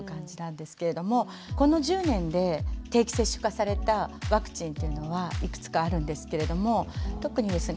この１０年で定期接種化されたワクチンというのはいくつかあるんですけれども特にですね